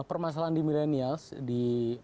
permasalahan di millennials di